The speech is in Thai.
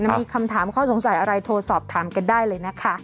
มีคำถามข้อสงสัยอะไรโทรสอบถามกันได้เลยนะคะ